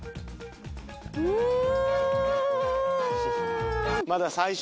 うん！